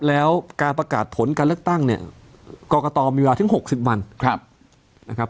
แล้วการประกาศผลการเลือกตั้งเนี่ยกรกตมีเวลาถึง๖๐วันนะครับ